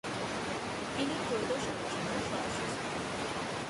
তিনি ত্রয়োদশ লোকসভার সদস্য ছিলেন।